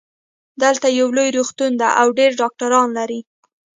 دلته یو لوی روغتون ده او ډېر ډاکټران لری